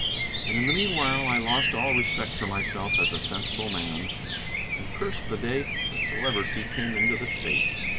And in the meanwhile I lost all respect for myself as a sensible man, and cursed the day the Celebrity came into the state.